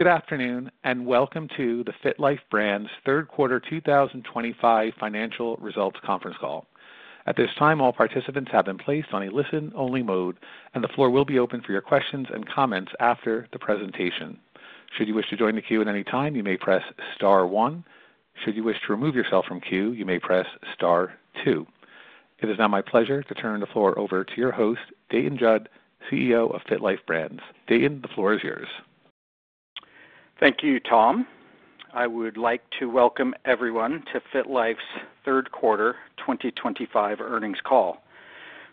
Good afternoon, and welcome to the FitLife Brands Third Quarter 2025 Financial Results Conference Call. At this time, all participants have been placed on a listen-only mode, and the floor will be open for your questions and comments after the presentation. Should you wish to join the queue at any time, you may press star one. Should you wish to remove yourself from queue, you may press star two. It is now my pleasure to turn the floor over to your host, Dayton Judd, CEO of FitLife Brands. Dayton, the floor is yours. Thank you, Tom. I would like to welcome everyone to FitLife's third quarter 2025 earnings call.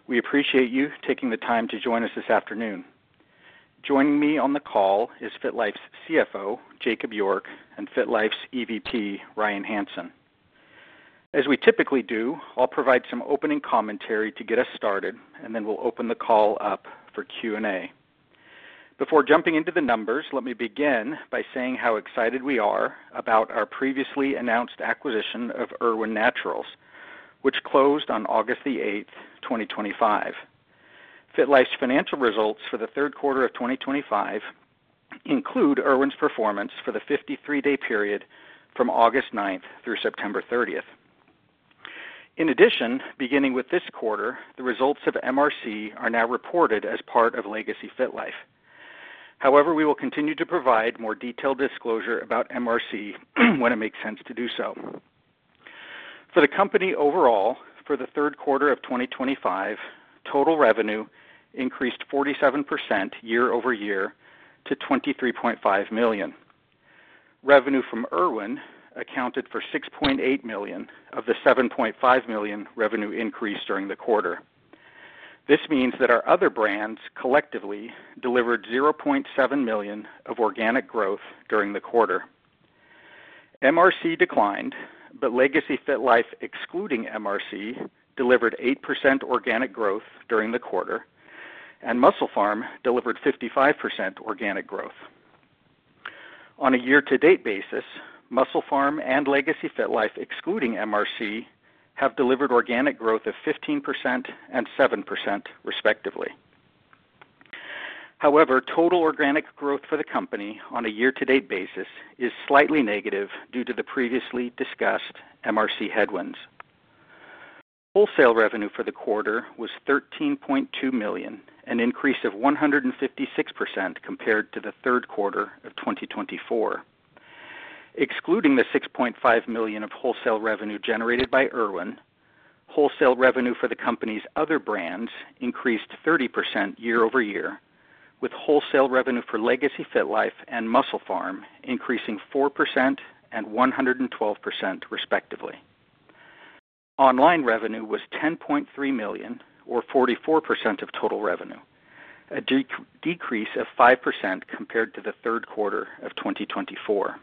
We appreciate you taking the time to join us this afternoon. Joining me on the call is FitLife's CFO, Jakob York, and FitLife's EVP, Ryan Hansen. As we typically do, I'll provide some opening commentary to get us started, and then we'll open the call up for Q&A. Before jumping into the numbers, let me begin by saying how excited we are about our previously announced acquisition of Irwin Naturals, which closed on August 8th, 2025. FitLife's financial results for the third quarter of 2025 include Irwin's performance for the 53-day period from August 9th through September 30th. In addition, beginning with this quarter, the results of MRC are now reported as part of Legacy FitLife. However, we will continue to provide more detailed disclosure about MRC when it makes sense to do so. For the company overall, for the third quarter of 2025, total revenue increased 47% year-over-year to $23.5 million. Revenue from Irwin accounted for $6.8 million of the $7.5 million revenue increase during the quarter. This means that our other brands collectively delivered $700,000 of organic growth during the quarter. MRC declined, but Legacy FitLife excluding MRC delivered 8% organic growth during the quarter, and MusclePharm delivered 55% organic growth. On a year-to-date basis, MusclePharm and Legacy FitLife excluding MRC have delivered organic growth of 15% and 7%, respectively. However, total organic growth for the company on a year-to-date basis is slightly negative due to the previously discussed MRC headwinds. Wholesale revenue for the quarter was $13.2 million, an increase of 156% compared to the third quarter of 2024. Excluding the $6.5 million of wholesale revenue generated by Irwin, wholesale revenue for the company's other brands increased 30% year-over-year, with wholesale revenue for Legacy FitLife and MusclePharm increasing 4% and 112%, respectively. Online revenue was $10.3 million, or 44% of total revenue, a decrease of 5% compared to the third quarter of 2024.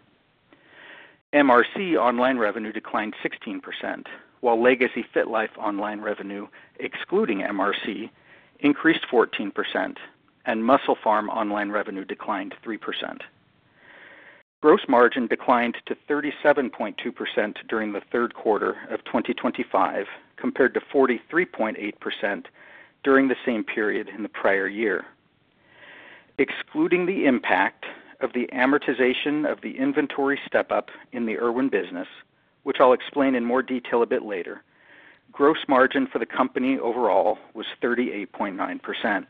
MRC online revenue declined 16%, while Legacy FitLife online revenue excluding MRC increased 14%, and MusclePharm online revenue declined 3%. Gross margin declined to 37.2% during the third quarter of 2025 compared to 43.8% during the same period in the prior year. Excluding the impact of the amortization of the inventory step-up in the Irwin business, which I'll explain in more detail a bit later, gross margin for the company overall was 38.9%.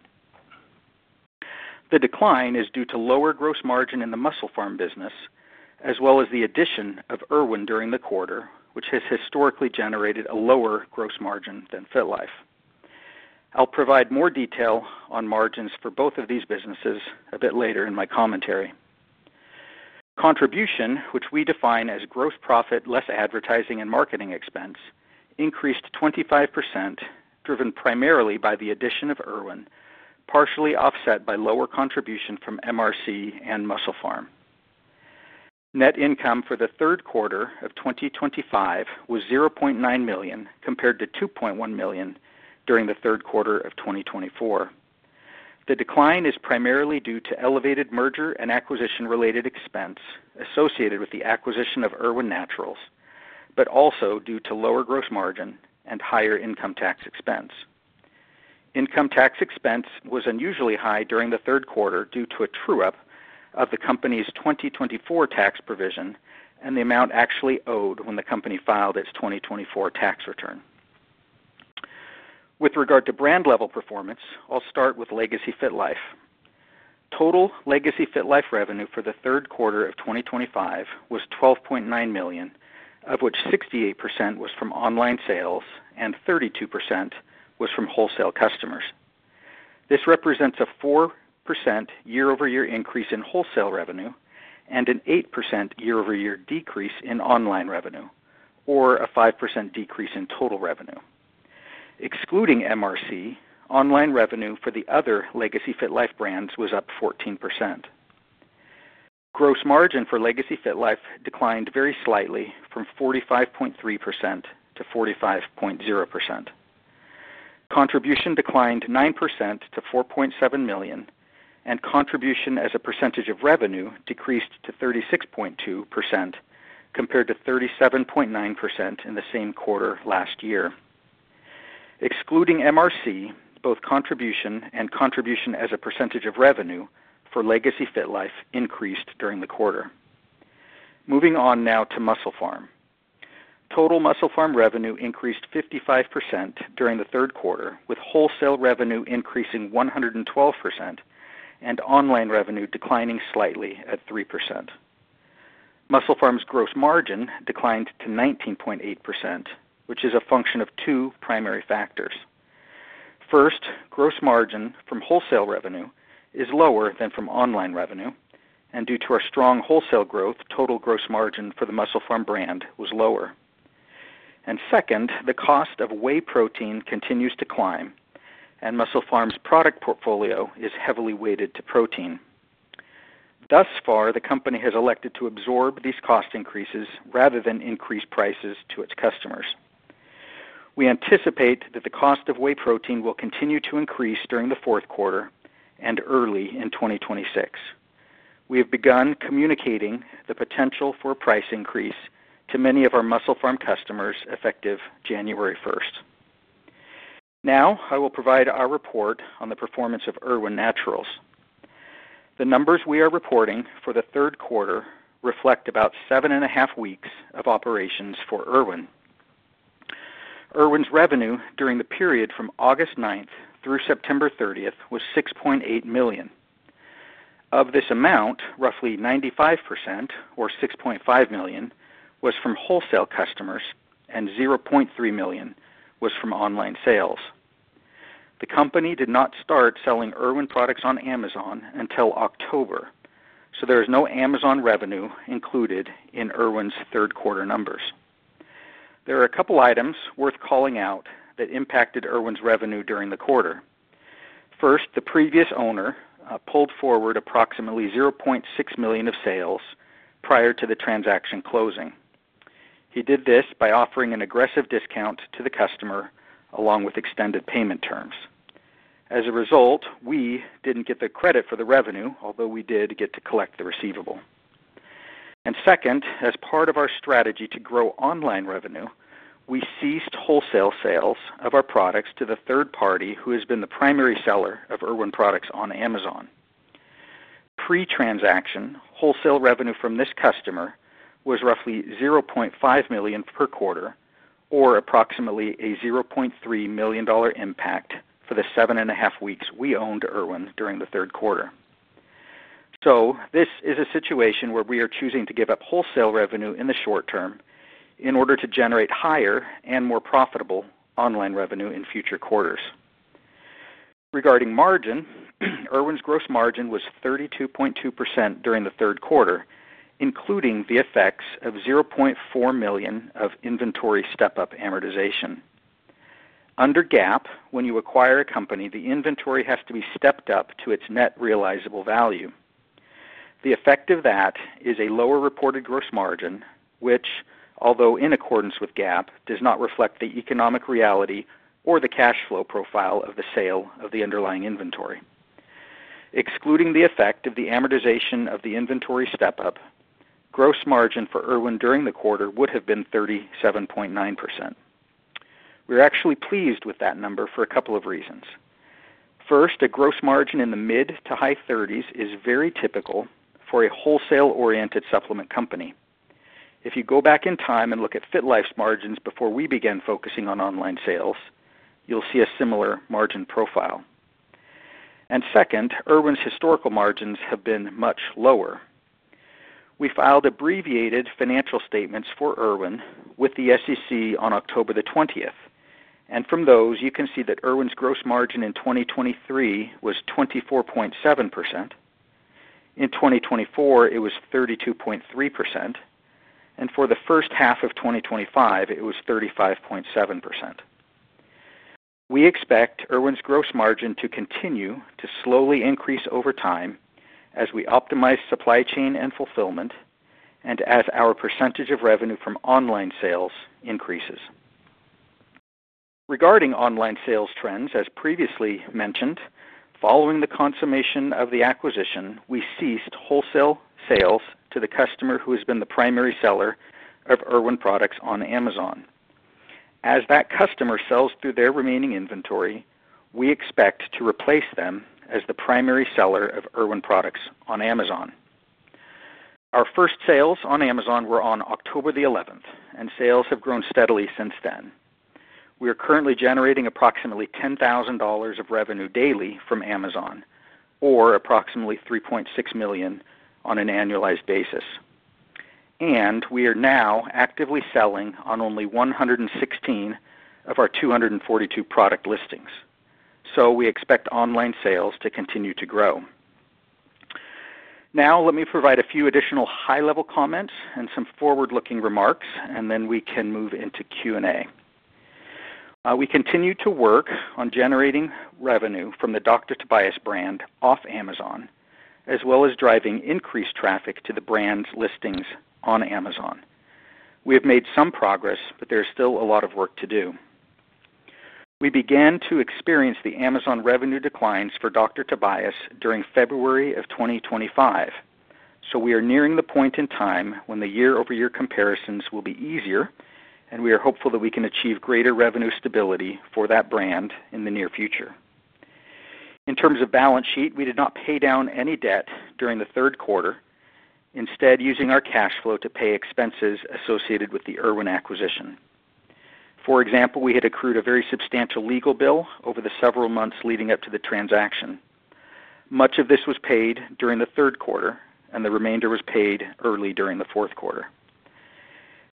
The decline is due to lower gross margin in the MusclePharm business, as well as the addition of Irwin during the quarter, which has historically generated a lower gross margin than FitLife. I'll provide more detail on margins for both of these businesses a bit later in my commentary. Contribution, which we define as gross profit less advertising and marketing expense, increased 25%, driven primarily by the addition of Irwin, partially offset by lower contribution from MRC and MusclePharm. Net income for the third quarter of 2025 was $900,000 compared to $2.1 million during the third quarter of 2024. The decline is primarily due to elevated merger and acquisition-related expense associated with the acquisition of Irwin Naturals, but also due to lower gross margin and higher income tax expense. Income tax expense was unusually high during the third quarter due to a true-up of the company's 2024 tax provision and the amount actually owed when the company filed its 2024 tax return. With regard to brand-level performance, I'll start with Legacy FitLife. Total Legacy FitLife revenue for the third quarter of 2025 was $12.9 million, of which 68% was from online sales and 32% was from wholesale customers. This represents a 4% year-over-year increase in wholesale revenue and an 8% year-over-year decrease in online revenue, or a 5% decrease in total revenue. Excluding MRC, online revenue for the other Legacy FitLife brands was up 14%. Gross margin for Legacy FitLife declined very slightly from 45.3% to 45.0%. Contribution declined 9% to $4.7 million, and contribution as a percentage of revenue decreased to 36.2% compared to 37.9% in the same quarter last year. Excluding MRC, both contribution and contribution as a percentage of revenue for Legacy FitLife increased during the quarter. Moving on now to MusclePharm. Total MusclePharm revenue increased 55% during the third quarter, with wholesale revenue increasing 112% and online revenue declining slightly at 3%. MusclePharm's gross margin declined to 19.8%, which is a function of two primary factors. First, gross margin from wholesale revenue is lower than from online revenue, and due to our strong wholesale growth, total gross margin for the MusclePharm brand was lower. Second, the cost of whey protein continues to climb, and MusclePharm's product portfolio is heavily weighted to protein. Thus far, the company has elected to absorb these cost increases rather than increase prices to its customers. We anticipate that the cost of whey protein will continue to increase during the fourth quarter and early in 2026. We have begun communicating the potential for a price increase to many of our MusclePharm customers effective January 1st. Now, I will provide our report on the performance of Irwin Naturals. The numbers we are reporting for the third quarter reflect about seven and a half weeks of operations for Irwin. Irwin's revenue during the period from August 9th through September 30th was $6.8 million. Of this amount, roughly 95%, or $6.5 million, was from wholesale customers, and $300,000 was from online sales. The company did not start selling Irwin products on Amazon until October, so there is no Amazon revenue included in Irwin's third quarter numbers. There are a couple of items worth calling out that impacted Irwin's revenue during the quarter. First, the previous owner pulled forward approximately $600,000 of sales prior to the transaction closing. He did this by offering an aggressive discount to the customer along with extended payment terms. As a result, we did not get the credit for the revenue, although we did get to collect the receivable. Second, as part of our strategy to grow online revenue, we ceased wholesale sales of our products to the third party who has been the primary seller of Irwin Naturals products on Amazon. Pre-transaction, wholesale revenue from this customer was roughly $500,000 per quarter, or approximately a $300,000 impact for the seven and a half weeks we owned Irwin Naturals during the third quarter. This is a situation where we are choosing to give up wholesale revenue in the short term in order to generate higher and more profitable online revenue in future quarters. Regarding margin, Irwin's gross margin was 32.2% during the third quarter, including the effects of $400,000 of inventory step-up amortization. Under GAAP, when you acquire a company, the inventory has to be stepped up to its net realizable value. The effect of that is a lower reported gross margin, which, although in accordance with GAAP, does not reflect the economic reality or the cash flow profile of the sale of the underlying inventory. Excluding the effect of the amortization of the inventory step-up, gross margin for Irwin during the quarter would have been 37.9%. We're actually pleased with that number for a couple of reasons. First, a gross margin in the mid to high 30s is very typical for a wholesale-oriented supplement company. If you go back in time and look at FitLife's margins before we began focusing on online sales, you'll see a similar margin profile. Second, Irwin's historical margins have been much lower. We filed abbreviated financial statements for Irwin with the SEC on October 20th, and from those, you can see that Irwin's gross margin in 2023 was 24.7%. In 2024, it was 32.3%, and for the first half of 2025, it was 35.7%. We expect Irwin's gross margin to continue to slowly increase over time as we optimize supply chain and fulfillment, and as our percentage of revenue from online sales increases. Regarding online sales trends, as previously mentioned, following the consummation of the acquisition, we ceased wholesale sales to the customer who has been the primary seller of Irwin products on Amazon. As that customer sells through their remaining inventory, we expect to replace them as the primary seller of Irwin products on Amazon. Our first sales on Amazon were on October the 11th, and sales have grown steadily since then. We are currently generating approximately $10,000 of revenue daily from Amazon, or approximately $3.6 million on an annualized basis. We are now actively selling on only 116 of our 242 product listings. We expect online sales to continue to grow. Now, let me provide a few additional high-level comments and some forward-looking remarks, and then we can move into Q&A. We continue to work on generating revenue from the Dr. Tobias brand off Amazon, as well as driving increased traffic to the brand's listings on Amazon. We have made some progress, but there is still a lot of work to do. We began to experience the Amazon revenue declines for Dr. Tobias during February of 2025, so we are nearing the point in time when the year-over-year comparisons will be easier, and we are hopeful that we can achieve greater revenue stability for that brand in the near future. In terms of balance sheet, we did not pay down any debt during the third quarter, instead using our cash flow to pay expenses associated with the Irwin acquisition. For example, we had accrued a very substantial legal bill over the several months leading up to the transaction. Much of this was paid during the third quarter, and the remainder was paid early during the fourth quarter.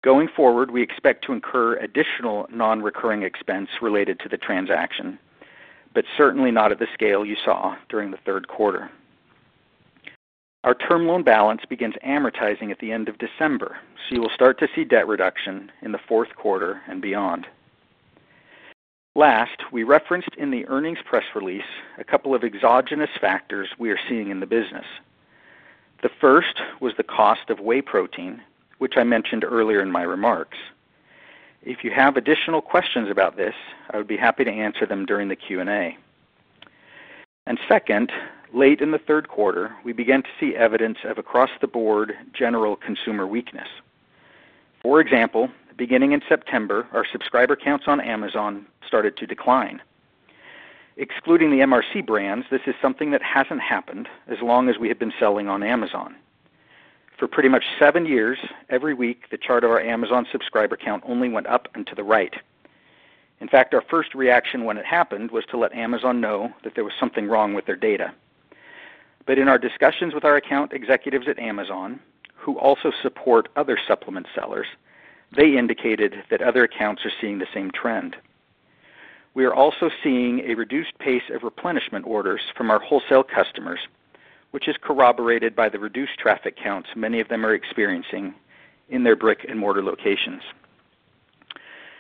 Going forward, we expect to incur additional non-recurring expense related to the transaction, but certainly not at the scale you saw during the third quarter. Our term loan balance begins amortizing at the end of December, so you will start to see debt reduction in the fourth quarter and beyond. Last, we referenced in the earnings press release a couple of exogenous factors we are seeing in the business. The first was the cost of whey protein, which I mentioned earlier in my remarks. If you have additional questions about this, I would be happy to answer them during the Q&A. Second, late in the third quarter, we began to see evidence of across-the-board general consumer weakness. For example, beginning in September, our subscriber counts on Amazon started to decline. Excluding the MRC brands, this is something that has not happened as long as we have been selling on Amazon. For pretty much seven years, every week, the chart of our Amazon subscriber count only went up and to the right. In fact, our first reaction when it happened was to let Amazon know that there was something wrong with their data. In our discussions with our account executives at Amazon, who also support other supplement sellers, they indicated that other accounts are seeing the same trend. We are also seeing a reduced pace of replenishment orders from our wholesale customers, which is corroborated by the reduced traffic counts many of them are experiencing in their brick-and-mortar locations.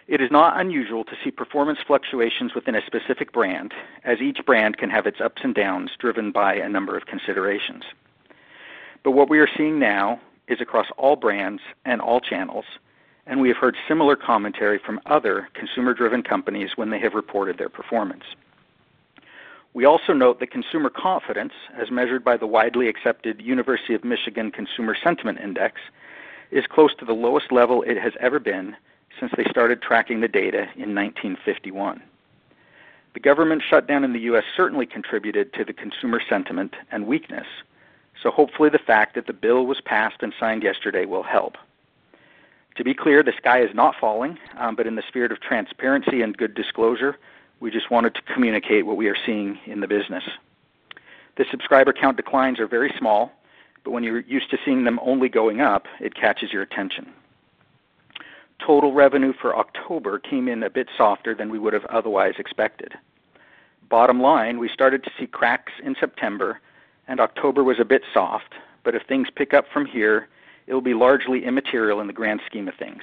It is not unusual to see performance fluctuations within a specific brand, as each brand can have its ups and downs driven by a number of considerations. What we are seeing now is across all brands and all channels, and we have heard similar commentary from other consumer-driven companies when they have reported their performance. We also note that consumer confidence, as measured by the widely accepted University of Michigan Consumer Sentiment Index, is close to the lowest level it has ever been since they started tracking the data in 1951. The government shutdown in the U.S. certainly contributed to the consumer sentiment and weakness, so hopefully the fact that the bill was passed and signed yesterday will help. To be clear, the sky is not falling, but in the spirit of transparency and good disclosure, we just wanted to communicate what we are seeing in the business. The subscriber count declines are very small, but when you're used to seeing them only going up, it catches your attention. Total revenue for October came in a bit softer than we would have otherwise expected. Bottom line, we started to see cracks in September, and October was a bit soft, but if things pick up from here, it will be largely immaterial in the grand scheme of things.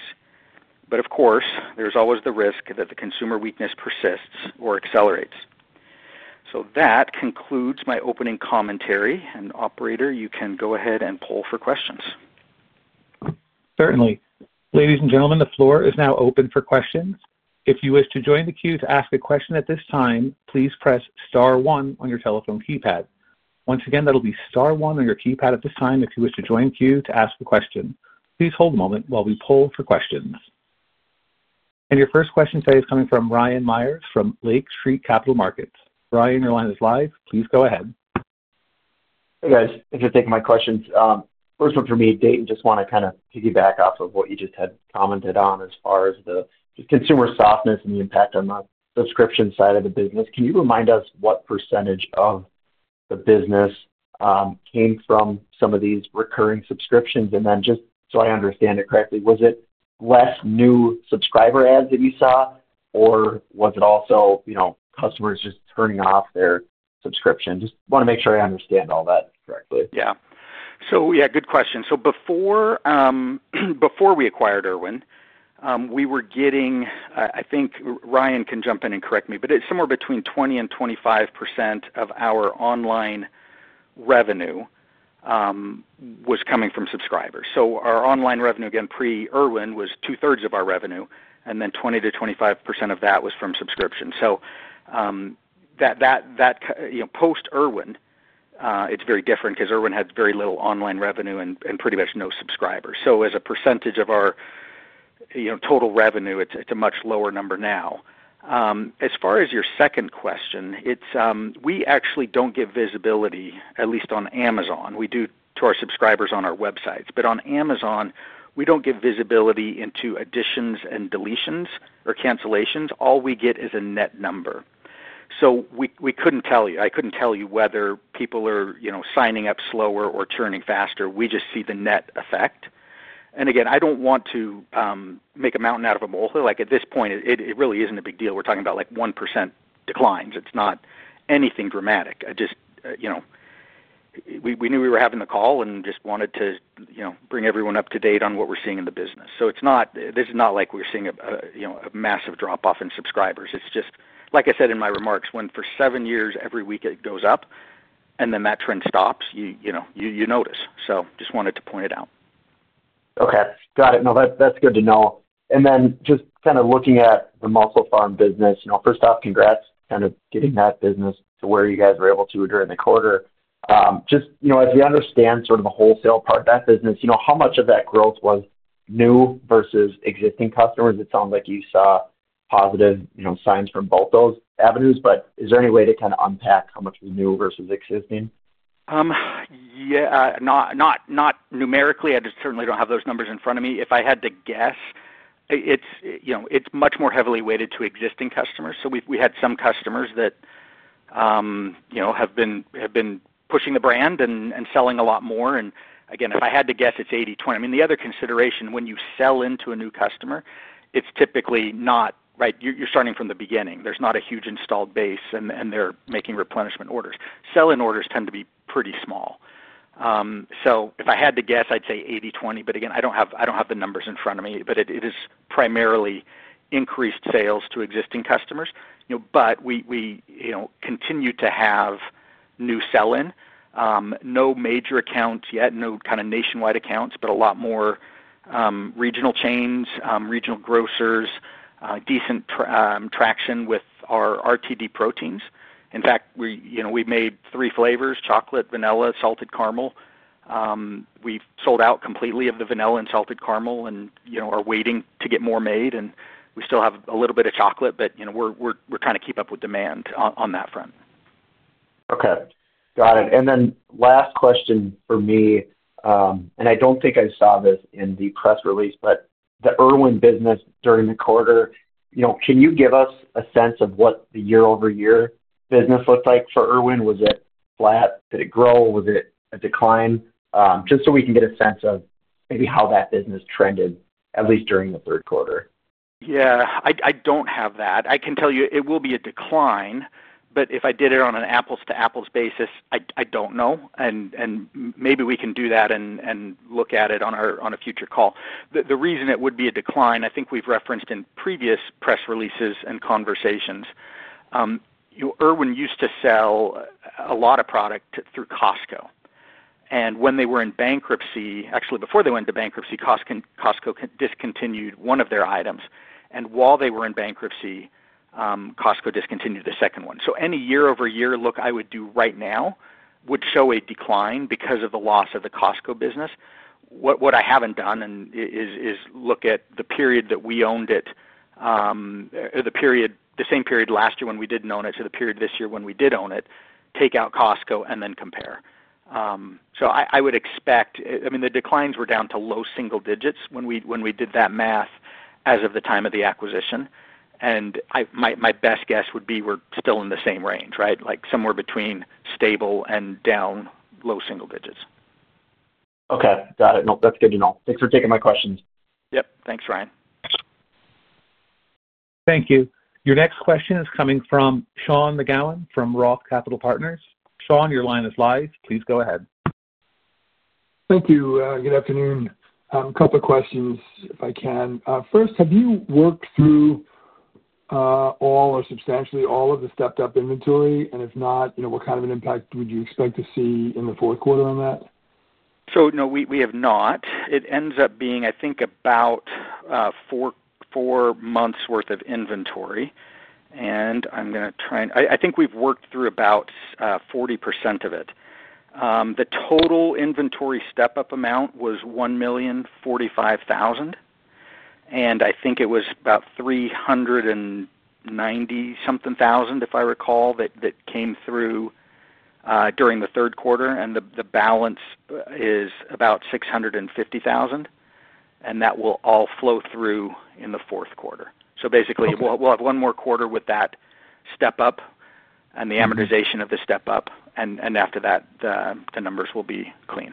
Of course, there is always the risk that the consumer weakness persists or accelerates. That concludes my opening commentary, and operator, you can go ahead and poll for questions. Certainly. Ladies and gentlemen, the floor is now open for questions. If you wish to join the queue to ask a question at this time, please press star one on your telephone keypad. Once again, that'll be star one on your keypad at this time if you wish to join the queue to ask a question. Please hold a moment while we poll for questions. Your first question today is coming from Ryan Meyers from Lake Street Capital Markets. Ryan, your line is live. Please go ahead. Hey, guys. Thanks for taking my questions. First one for me, Dayton, and just want to kind of piggyback off of what you just had commented on as far as the consumer softness and the impact on the subscription side of the business. Can you remind us what percentage of the business came from some of these recurring subscriptions? And then just so I understand it correctly, was it less new subscriber adds that you saw, or was it also customers just turning off their subscription? Just want to make sure I understand all that correctly. Yeah. So yeah, good question. Before we acquired Irwin, we were getting, I think Ryan can jump in and correct me, but it's somewhere between 20%-25% of our online revenue was coming from subscribers. Our online revenue, again, pre-Irwin, was two-thirds of our revenue, and then 20-25% of that was from subscription. Post-Irwin, it's very different because Irwin had very little online revenue and pretty much no subscribers. As a percentage of our total revenue, it's a much lower number now. As far as your second question, we actually don't give visibility, at least on Amazon. We do to our subscribers on our websites. On Amazon, we don't give visibility into additions and deletions or cancellations. All we get is a net number. We couldn't tell you. I couldn't tell you whether people are signing up slower or turning faster. We just see the net effect. I don't want to make a mountain out of a molehill. At this point, it really isn't a big deal. We're talking about like 1% declines. It's not anything dramatic. We knew we were having the call and just wanted to bring everyone up to date on what we're seeing in the business. This is not like we're seeing a massive drop-off in subscribers. It's just, like I said in my remarks, when for seven years every week it goes up and then that trend stops, you notice. I just wanted to point it out. Okay. Got it. No, that's good to know. Just kind of looking at the MusclePharm business, first off, congrats on getting that business to where you guys were able to during the quarter. Just as we understand sort of the wholesale part of that business, how much of that growth was new versus existing customers? It sounds like you saw positive signs from both those avenues, but is there any way to kind of unpack how much was new versus existing? Yeah. Not numerically. I certainly don't have those numbers in front of me. If I had to guess, it's much more heavily weighted to existing customers. We had some customers that have been pushing the brand and selling a lot more. I mean, if I had to guess, it's 80, 20. The other consideration, when you sell into a new customer, it's typically not, right, you're starting from the beginning. There's not a huge installed base, and they're making replenishment orders. Sell-in orders tend to be pretty small. If I had to guess, I'd say 80, 20, but again, I don't have the numbers in front of me, but it is primarily increased sales to existing customers. We continue to have new sell-in. No major accounts yet, no kind of nationwide accounts, but a lot more regional chains, regional grocers, decent traction with our RTD proteins. In fact, we've made three flavors: chocolate, vanilla, salted caramel. We've sold out completely of the vanilla and salted caramel and are waiting to get more made. We still have a little bit of chocolate, but we're trying to keep up with demand on that front. Okay. Got it. Last question for me, and I do not think I saw this in the press release, but the Irwin business during the quarter, can you give us a sense of what the year-over-year business looked like for Irwin? Was it flat? Did it grow? Was it a decline? Just so we can get a sense of maybe how that business trended, at least during the third quarter. Yeah. I don't have that. I can tell you it will be a decline, but if I did it on an apples-to-apples basis, I don't know. Maybe we can do that and look at it on a future call. The reason it would be a decline, I think we've referenced in previous press releases and conversations, Irwin Naturals used to sell a lot of product through Costco. When they were in bankruptcy, actually before they went into bankruptcy, Costco discontinued one of their items. While they were in bankruptcy, Costco discontinued the second one. Any year-over-year look I would do right now would show a decline because of the loss of the Costco business. What I haven't done is look at the period that we owned it, the same period last year when we didn't own it to the period this year when we did own it, take out Costco, and then compare. I would expect, I mean, the declines were down to low single digits when we did that math as of the time of the acquisition. My best guess would be we're still in the same range, right? Like somewhere between stable and down low single digits. Okay. Got it. No, that's good to know. Thanks for taking my questions. Yep. Thanks, Ryan. Thank you. Your next question is coming from Sean McGowan from Roth Capital Partners. Sean, your line is live. Please go ahead. Thank you. Good afternoon. A couple of questions if I can. First, have you worked through all or substantially all of the stepped-up inventory? If not, what kind of an impact would you expect to see in the fourth quarter on that? No, we have not. It ends up being, I think, about four months' worth of inventory. I'm going to try and I think we've worked through about 40% of it. The total inventory step-up amount was $1,045,000. I think it was about $390,000-something, if I recall, that came through during the third quarter. The balance is about $650,000. That will all flow through in the fourth quarter. Basically, we'll have one more quarter with that step-up and the amortization of the step-up. After that, the numbers will be clean.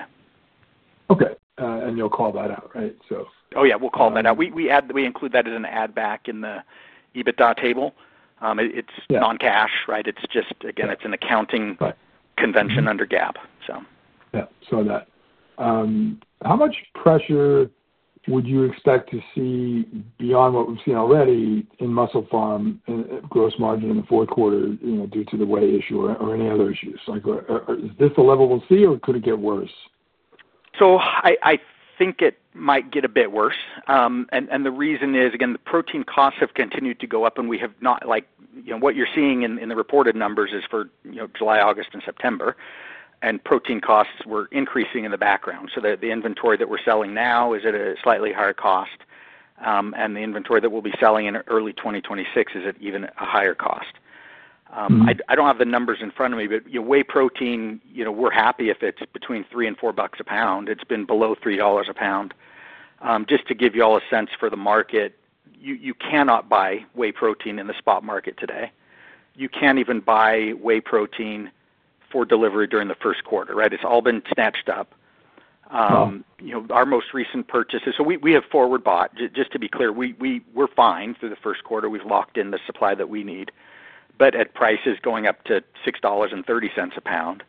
Okay. You'll call that out, right? So. Oh yeah, we'll call that out. We include that as an add-back in the EBITDA table. It's non-cash, right? It's just, again, it's an accounting convention under GAAP, so. Yeah. Saw that. How much pressure would you expect to see beyond what we've seen already in MusclePharm and gross margin in the fourth quarter due to the whey issue or any other issues? Is this the level we'll see, or could it get worse? I think it might get a bit worse. The reason is, again, the protein costs have continued to go up, and we have not—like what you're seeing in the reported numbers is for July, August, and September. Protein costs were increasing in the background. The inventory that we're selling now is at a slightly higher cost. The inventory that we'll be selling in early 2026 is at even a higher cost. I do not have the numbers in front of me, but whey protein, we're happy if it's between $3 and $4 a pound. It's been below $3 a pound. Just to give you all a sense for the market, you cannot buy whey protein in the spot market today. You cannot even buy whey protein for delivery during the first quarter, right? It's all been snatched up. Our most recent purchases, so we have forward bought. Just to be clear, we're fine through the first quarter. We've locked in the supply that we need, but at prices going up to $6.30 a pound.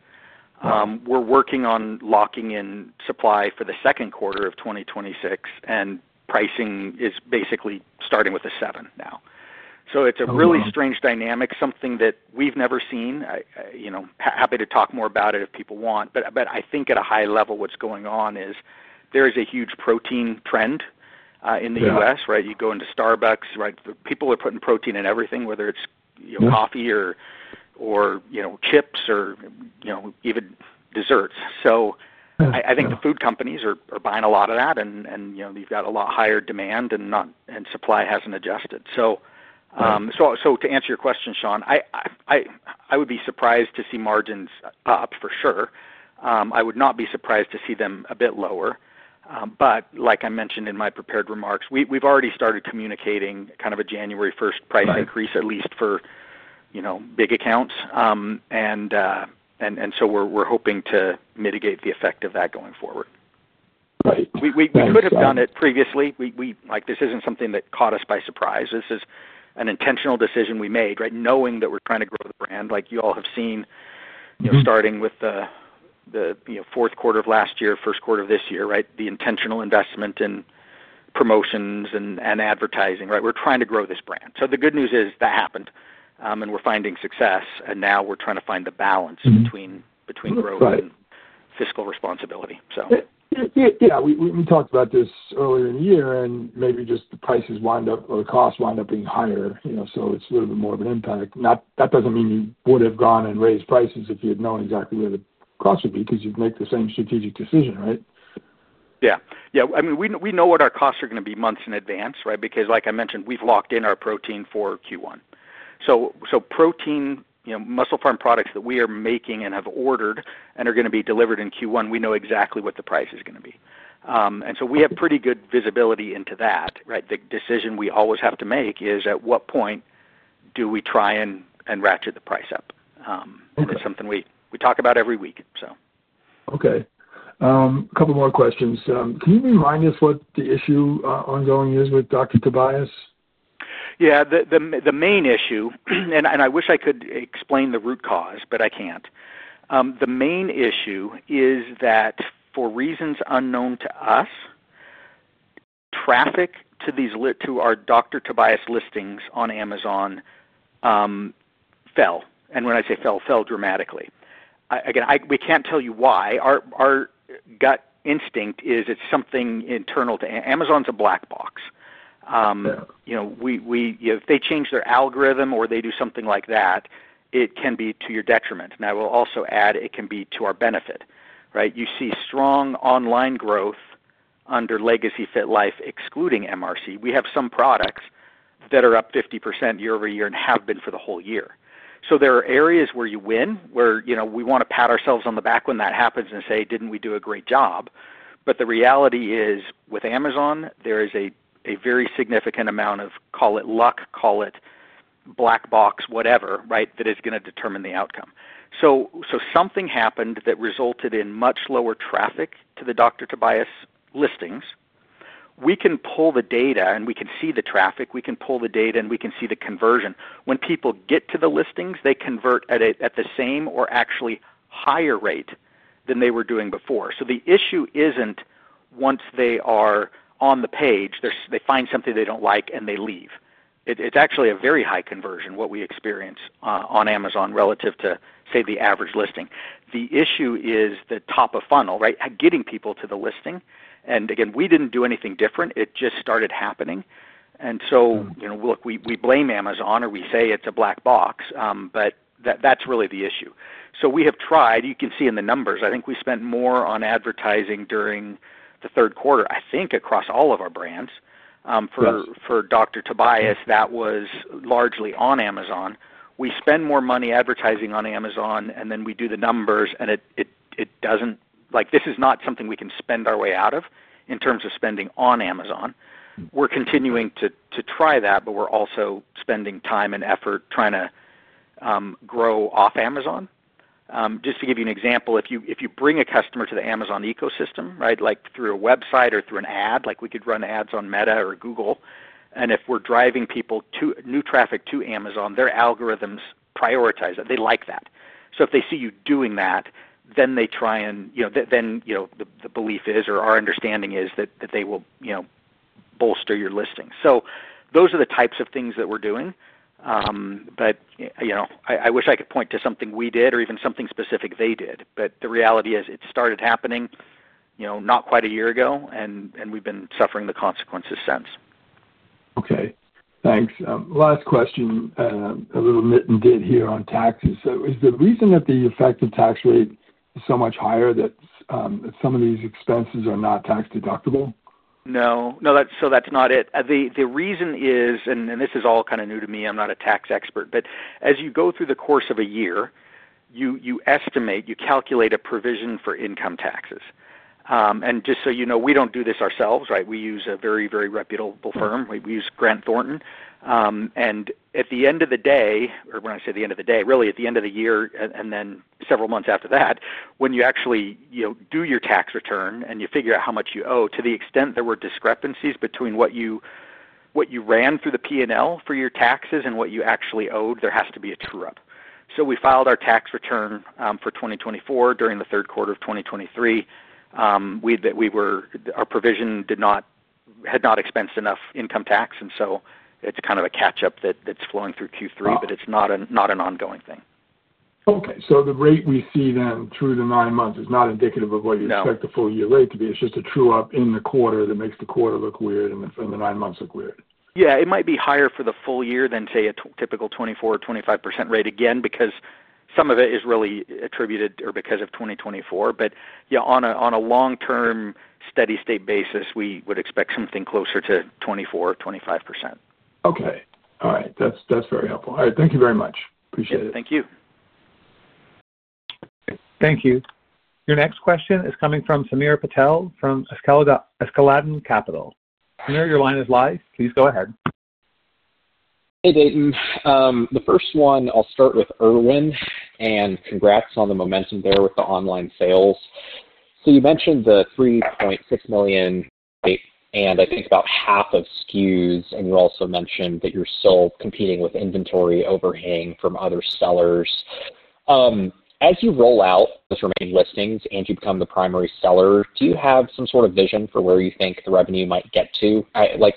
We're working on locking in supply for the second quarter of 2026, and pricing is basically starting with a seven now. It's a really strange dynamic, something that we've never seen. Happy to talk more about it if people want. I think at a high level, what's going on is there is a huge protein trend in the U.S., right? You go into Starbucks, right? People are putting protein in everything, whether it's coffee or chips or even desserts. I think the food companies are buying a lot of that, and they've got a lot higher demand, and supply hasn't adjusted. To answer your question, Sean, I would be surprised to see margins up for sure. I would not be surprised to see them a bit lower. Like I mentioned in my prepared remarks, we have already started communicating kind of a January 1st price increase, at least for big accounts. We are hoping to mitigate the effect of that going forward. Right. We could have done it previously. This isn't something that caught us by surprise. This is an intentional decision we made, right? Knowing that we're trying to grow the brand, like you all have seen, starting with the fourth quarter of last year, first quarter of this year, right? The intentional investment in promotions and advertising, right? We're trying to grow this brand. The good news is that happened, and we're finding success. Now we're trying to find the balance between growth and fiscal responsibility, so. Yeah. We talked about this earlier in the year, and maybe just the prices wound up or the costs wound up being higher. It is a little bit more of an impact. That does not mean you would have gone and raised prices if you had known exactly where the cost would be because you would make the same strategic decision, right? Yeah. Yeah. I mean, we know what our costs are going to be months in advance, right? Because like I mentioned, we've locked in our protein for Q1. So protein, MusclePharm products that we are making and have ordered and are going to be delivered in Q1, we know exactly what the price is going to be. And we have pretty good visibility into that, right? The decision we always have to make is at what point do we try and ratchet the price up. It's something we talk about every week, so. Okay. A couple more questions. Can you remind us what the issue ongoing is with Dr. Tobias? Yeah. The main issue, and I wish I could explain the root cause, but I can't. The main issue is that for reasons unknown to us, traffic to our Dr. Tobias listings on Amazon fell. And when I say fell, fell dramatically. Again, we can't tell you why. Our gut instinct is it's something internal to Amazon's a black box. If they change their algorithm or they do something like that, it can be to your detriment. I will also add it can be to our benefit, right? You see strong online growth under Legacy FitLife, excluding MRC. We have some products that are up 50% year-over-year and have been for the whole year. There are areas where you win, where we want to pat ourselves on the back when that happens and say, "Didn't we do a great job?" The reality is with Amazon, there is a very significant amount of, call it luck, call it black box, whatever, right, that is going to determine the outcome. Something happened that resulted in much lower traffic to the Dr. Tobias listings. We can pull the data, and we can see the traffic. We can pull the data, and we can see the conversion. When people get to the listings, they convert at the same or actually higher rate than they were doing before. The issue is not once they are on the page, they find something they do not like, and they leave. It is actually a very high conversion, what we experience on Amazon relative to, say, the average listing. The issue is the top of funnel, right, getting people to the listing. Again, we did not do anything different. It just started happening. Look, we blame Amazon, or we say it is a black box, but that is really the issue. We have tried. You can see in the numbers, I think we spent more on advertising during the third quarter, I think across all of our brands. For Dr. Tobias, that was largely on Amazon. We spend more money advertising on Amazon, and then we do the numbers, and it does not, like, this is not something we can spend our way out of in terms of spending on Amazon. We are continuing to try that, but we are also spending time and effort trying to grow off Amazon. Just to give you an example, if you bring a customer to the Amazon ecosystem, right, like through a website or through an ad, like we could run ads on Meta or Google, and if we're driving people new traffic to Amazon, their algorithms prioritize that. They like that. If they see you doing that, then they try and then the belief is, or our understanding is, that they will bolster your listing. Those are the types of things that we're doing. I wish I could point to something we did or even something specific they did. The reality is it started happening not quite a year ago, and we've been suffering the consequences since. Okay. Thanks. Last question, a little knit and did here on taxes. Is the reason that the effective tax rate is so much higher that some of these expenses are not tax deductible? No. No, so that's not it. The reason is, and this is all kind of new to me. I'm not a tax expert. But as you go through the course of a year, you estimate, you calculate a provision for income taxes. And just so you know, we don't do this ourselves, right? We use a very, very reputable firm. We use Grant Thornton. At the end of the day, or when I say the end of the day, really at the end of the year, and then several months after that, when you actually do your tax return and you figure out how much you owe, to the extent there were discrepancies between what you ran through the P&L for your taxes and what you actually owed, there has to be a true-up. We filed our tax return for 2024 during the third quarter of 2023. Our provision had not expensed enough income tax. It is kind of a catch-up that is flowing through Q3, but it is not an ongoing thing. Okay. So the rate we see then through the nine months is not indicative of what you expect the full year rate to be. It's just a true-up in the quarter that makes the quarter look weird and the nine months look weird. Yeah. It might be higher for the full year than say a typical 24% or 25% rate again because some of it is really attributed or because of 2024. Yeah, on a long-term steady-state basis, we would expect something closer to 24%, 25%. Okay. All right. That's very helpful. All right. Thank you very much. Appreciate it. Thank you. Thank you. Your next question is coming from Samir Patel from Askeladden Capital. Samir, your line is live. Please go ahead. Hey, Dayton. The first one, I'll start with Irwin. And congrats on the momentum there with the online sales. You mentioned the $3.6 million and I think about half of SKUs. You also mentioned that you're still competing with inventory overhang from other sellers. As you roll out those remaining listings and you become the primary seller, do you have some sort of vision for where you think the revenue might get to?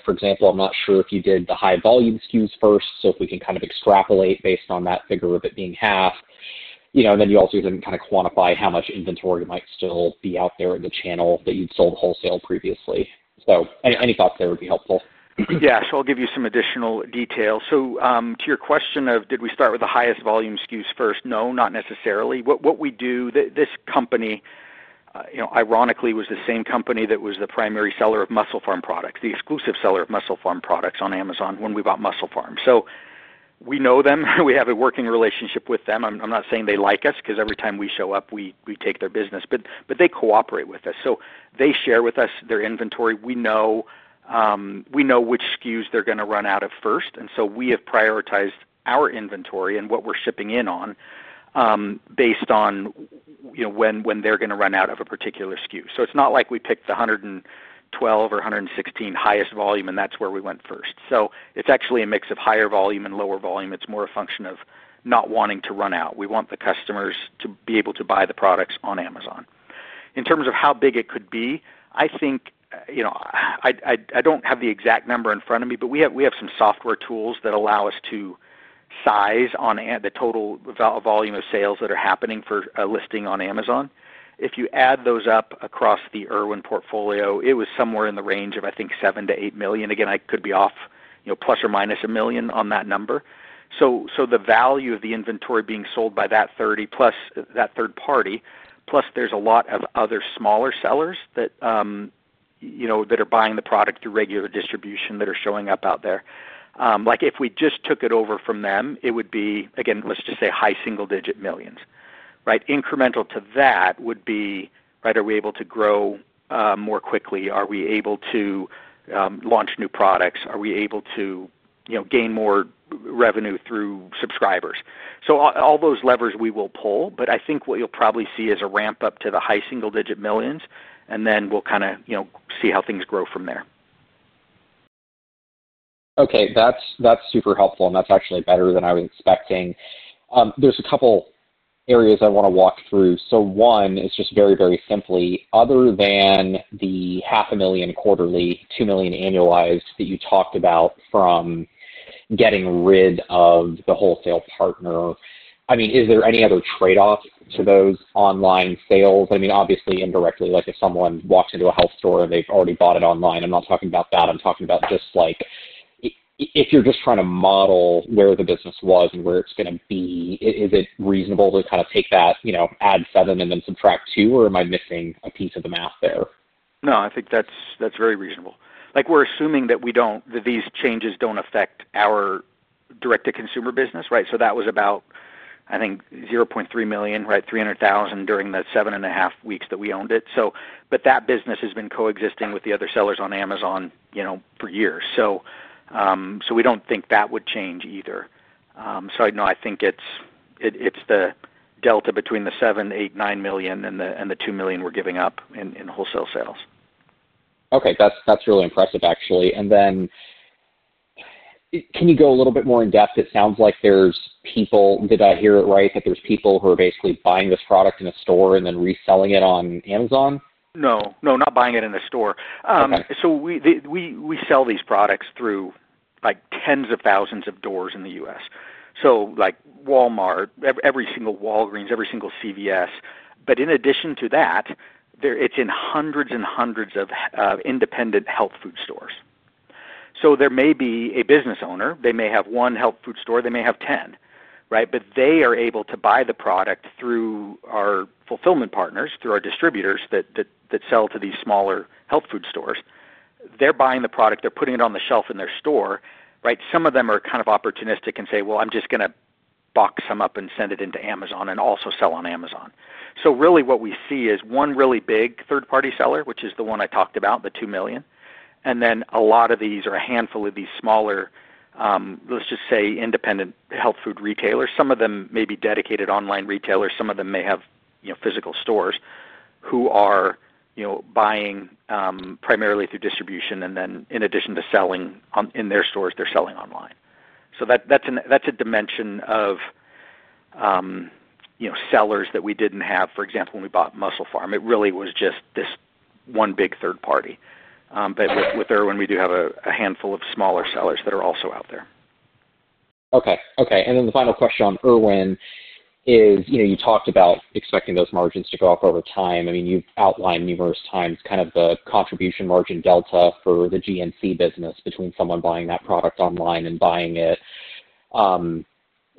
For example, I'm not sure if you did the high-volume SKUs first, so if we can kind of extrapolate based on that figure of it being half, and then you also didn't kind of quantify how much inventory might still be out there in the channel that you'd sold wholesale previously. Any thoughts there would be helpful? Yeah. I'll give you some additional detail. To your question of did we start with the highest volume SKUs first? No, not necessarily. What we do, this company, ironically, was the same company that was the primary seller of MusclePharm products, the exclusive seller of MusclePharm products on Amazon when we bought MusclePharm. We know them. We have a working relationship with them. I'm not saying they like us because every time we show up, we take their business. They cooperate with us. They share with us their inventory. We know which SKUs they're going to run out of first. We have prioritized our inventory and what we're shipping in on based on when they're going to run out of a particular SKU. It's not like we picked the 112 or 116 highest volume, and that's where we went first. It's actually a mix of higher volume and lower volume. It's more a function of not wanting to run out. We want the customers to be able to buy the products on Amazon. In terms of how big it could be, I think I don't have the exact number in front of me, but we have some software tools that allow us to size on the total volume of sales that are happening for a listing on Amazon. If you add those up across the Irwin portfolio, it was somewhere in the range of, I think, $7 million-$8 million. Again, I could be off ± $1 million on that number. The value of the inventory being sold by that 30+ that third party, plus there are a lot of other smaller sellers that are buying the product through regular distribution that are showing up out there. Like if we just took it over from them, it would be, again, let's just say high single-digit millions, right? Incremental to that would be, right, are we able to grow more quickly? Are we able to launch new products? Are we able to gain more revenue through subscribers? All those levers we will pull, but I think what you'll probably see is a ramp up to the high single-digit millions, and then we'll kind of see how things grow from there. Okay. That's super helpful, and that's actually better than I was expecting. There's a couple areas I want to walk through. One is just very, very simply, other than the $500,000 quarterly, $2 million annualized that you talked about from getting rid of the wholesale partner, I mean, is there any other trade-off to those online sales? I mean, obviously, indirectly, like if someone walks into a health store and they've already bought it online, I'm not talking about that. I'm talking about just like if you're just trying to model where the business was and where it's going to be, is it reasonable to kind of take that add seven and then subtract two, or am I missing a piece of the math there? No, I think that's very reasonable. Like we're assuming that these changes don't affect our direct-to-consumer business, right? So that was about, I think, $300,000, right? $300,000 during the seven and a half weeks that we owned it. But that business has been coexisting with the other sellers on Amazon for years. We don't think that would change either. I think it's the delta between the $7 million, $8 million, $9 million, and the $2 million we're giving up in wholesale sales. Okay. That's really impressive, actually. Can you go a little bit more in depth? It sounds like there's people, did I hear it right, that there's people who are basically buying this product in a store and then reselling it on Amazon? No. No, not buying it in a store. We sell these products through like tens of thousands of doors in the U.S. Like Walmart, every single Walgreens, every single CVS. In addition to that, it's in hundreds and hundreds of independent health food stores. There may be a business owner. They may have one health food store. They may have 10, right? They are able to buy the product through our fulfillment partners, through our distributors that sell to these smaller health food stores. They're buying the product. They're putting it on the shelf in their store, right? Some of them are kind of opportunistic and say, "Well, I'm just going to box some up and send it into Amazon and also sell on Amazon." Really what we see is one really big third-party seller, which is the one I talked about, the $2 million. Then a lot of these are a handful of these smaller, let's just say, independent health food retailers. Some of them may be dedicated online retailers. Some of them may have physical stores who are buying primarily through distribution, and then in addition to selling in their stores, they're selling online. That is a dimension of sellers that we did not have, for example, when we bought MusclePharm. It really was just this one big third party. With Irwin, we do have a handful of smaller sellers that are also out there. Okay. And then the final question on Irwin is you talked about expecting those margins to go up over time. I mean, you've outlined numerous times kind of the contribution margin delta for the GNC business between someone buying that product online and buying it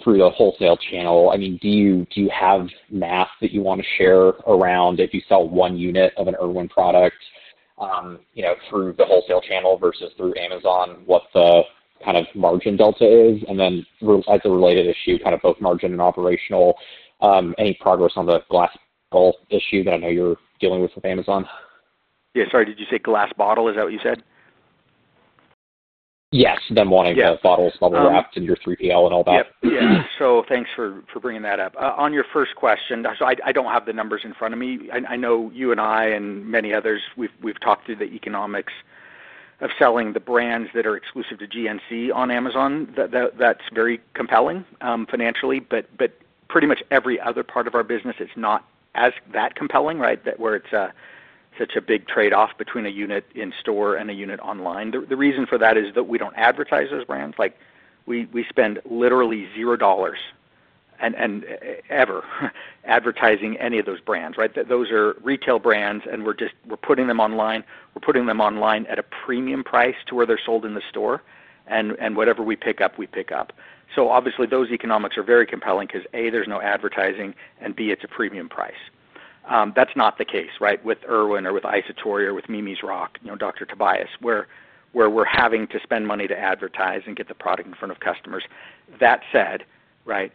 through the wholesale channel. I mean, do you have math that you want to share around if you sell one unit of an Irwin product through the wholesale channel versus through Amazon, what the kind of margin delta is? And then as a related issue, kind of both margin and operational, any progress on the glass bottle issue that I know you're dealing with with Amazon? Yeah. Sorry. Did you say glass bottle? Is that what you said? Yes. Them wanting the bottles bubble wrapped in your 3PL and all that. Yeah. Yeah. Thanks for bringing that up. On your first question, I don't have the numbers in front of me. I know you and I and many others, we've talked through the economics of selling the brands that are exclusive to GNC on Amazon. That's very compelling financially. Pretty much every other part of our business, it's not as that compelling, right, where it's such a big trade-off between a unit in store and a unit online. The reason for that is that we don't advertise those brands. We spend literally zero dollars ever advertising any of those brands, right? Those are retail brands, and we're putting them online. We're putting them online at a premium price to where they're sold in the store. Whatever we pick up, we pick up. Obviously, those economics are very compelling because, A, there's no advertising, and B, it's a premium price. That's not the case, right, with Irwin or with isatori or with Mimi's Rock, Dr. Tobias, where we're having to spend money to advertise and get the product in front of customers. That said, right,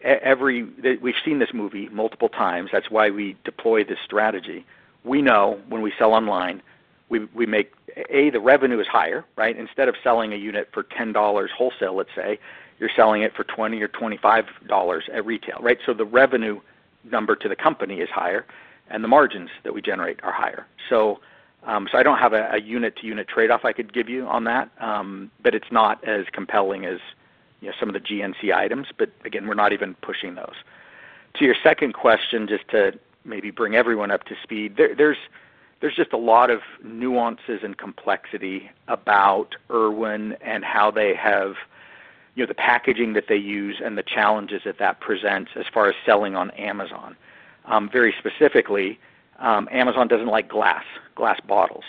we've seen this movie multiple times. That's why we deploy this strategy. We know when we sell online, we make, A, the revenue is higher, right? Instead of selling a unit for $10 wholesale, let's say, you're selling it for $20 or $25 at retail, right? So the revenue number to the company is higher, and the margins that we generate are higher. I don't have a unit-to-unit trade-off I could give you on that, but it's not as compelling as some of the GNC items. Again, we're not even pushing those. To your second question, just to maybe bring everyone up to speed, there's just a lot of nuances and complexity about Irwin and how they have the packaging that they use and the challenges that that presents as far as selling on Amazon. Very specifically, Amazon doesn't like glass, glass bottles.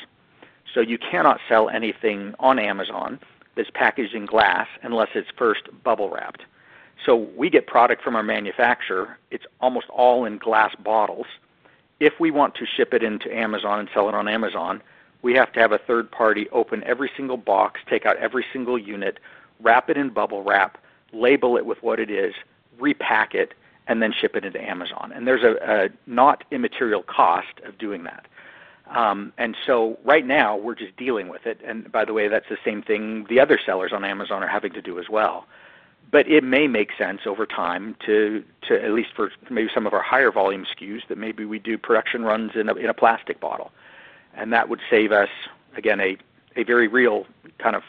You cannot sell anything on Amazon that's packaged in glass unless it's first bubble wrapped. We get product from our manufacturer. It's almost all in glass bottles. If we want to ship it into Amazon and sell it on Amazon, we have to have a third party open every single box, take out every single unit, wrap it in bubble wrap, label it with what it is, repack it, and then ship it into Amazon. There's a not immaterial cost of doing that. Right now, we're just dealing with it. By the way, that's the same thing the other sellers on Amazon are having to do as well. It may make sense over time to, at least for maybe some of our higher volume SKUs, that maybe we do production runs in a plastic bottle. That would save us, again, a very real kind of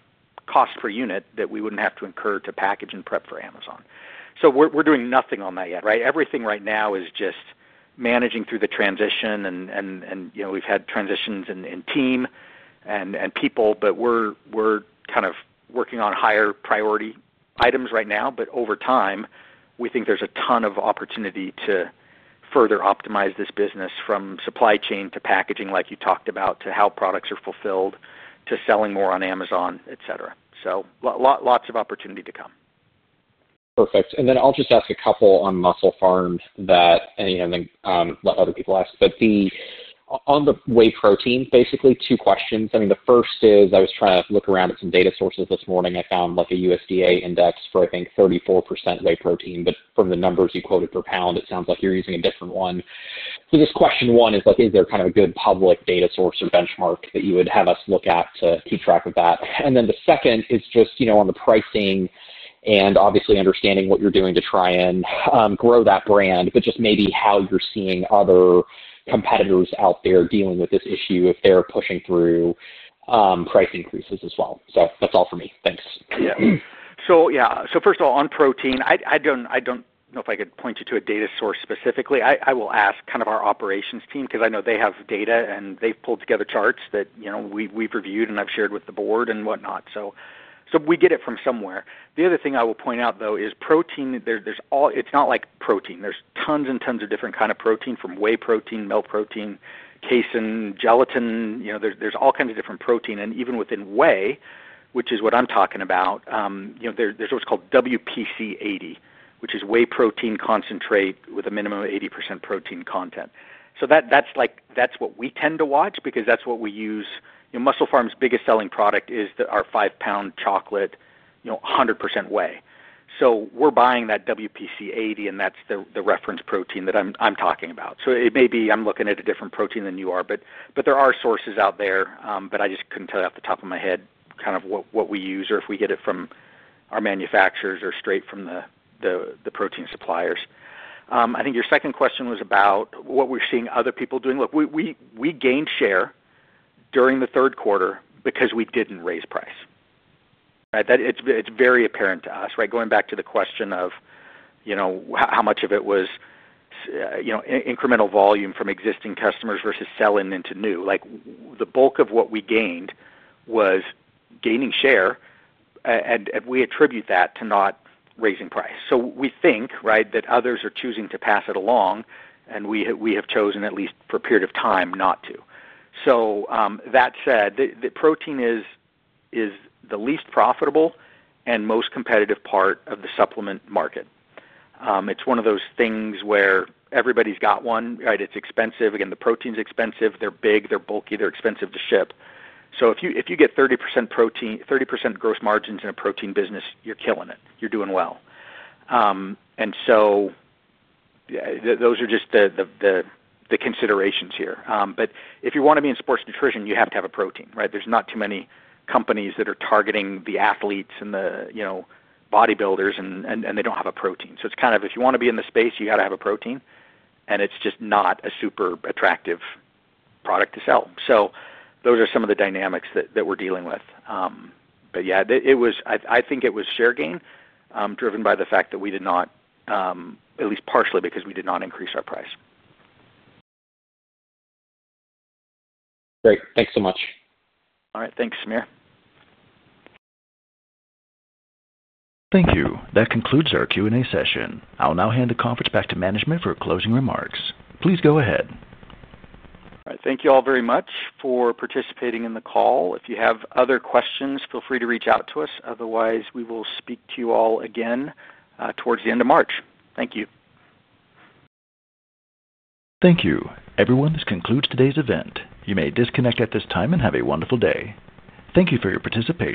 cost per unit that we would not have to incur to package and prep for Amazon. We are doing nothing on that yet, right? Everything right now is just managing through the transition. We have had transitions in team and people, but we are kind of working on higher priority items right now. Over time, we think there is a ton of opportunity to further optimize this business from supply chain to packaging, like you talked about, to how products are fulfilled, to selling more on Amazon, et cetera. Lots of opportunity to come. Perfect. I'll just ask a couple on MusclePharm that I think let other people ask. On the whey protein, basically, two questions. I mean, the first is I was trying to look around at some data sources this morning. I found a USDA index for, I think, 34% whey protein. From the numbers you quoted per pound, it sounds like you're using a different one. This question one is, is there kind of a good public data source or benchmark that you would have us look at to keep track of that? The second is just on the pricing and obviously understanding what you're doing to try and grow that brand, but just maybe how you're seeing other competitors out there dealing with this issue if they're pushing through price increases as well. That's all for me. Thanks. Yeah. So first of all, on protein, I don't know if I could point you to a data source specifically. I will ask kind of our operations team because I know they have data, and they've pulled together charts that we've reviewed and I've shared with the board and whatnot. We get it from somewhere. The other thing I will point out, though, is protein, it's not like protein. There are tons and tons of different kinds of protein from whey protein, milk protein, casein, gelatin. There are all kinds of different protein. Even within whey, which is what I'm talking about, there's what's called WPC 80, which is whey protein concentrate with a minimum of 80% protein content. That's what we tend to watch because that's what we use. MusclePharm's biggest selling product is our 5-pound chocolate, 100% whey. We're buying that WPC 80, and that's the reference protein that I'm talking about. It may be I'm looking at a different protein than you are, but there are sources out there, but I just couldn't tell you off the top of my head kind of what we use or if we get it from our manufacturers or straight from the protein suppliers. I think your second question was about what we're seeing other people doing. Look, we gained share during the third quarter because we didn't raise price, right? It's very apparent to us, right? Going back to the question of how much of it was incremental volume from existing customers versus selling into new. The bulk of what we gained was gaining share, and we attribute that to not raising price. We think, right, that others are choosing to pass it along, and we have chosen, at least for a period of time, not to. That said, protein is the least profitable and most competitive part of the supplement market. It is one of those things where everybody's got one, right? It is expensive. Again, the protein's expensive. They are big. They are bulky. They are expensive to ship. If you get 30% gross margins in a protein business, you are killing it. You are doing well. Those are just the considerations here. If you want to be in sports nutrition, you have to have a protein, right? There are not too many companies that are targeting the athletes and the bodybuilders, and they do not have a protein. It's kind of if you want to be in the space, you got to have a protein, and it's just not a super attractive product to sell. Those are some of the dynamics that we're dealing with. Yeah, I think it was share gain driven by the fact that we did not, at least partially because we did not increase our price. Great. Thanks so much. All right. Thanks, Samir. Thank you. That concludes our Q&A session. I'll now hand the conference back to management for closing remarks. Please go ahead. All right. Thank you all very much for participating in the call. If you have other questions, feel free to reach out to us. Otherwise, we will speak to you all again towards the end of March. Thank you. Thank you. Everyone, this concludes today's event. You may disconnect at this time and have a wonderful day. Thank you for your participation.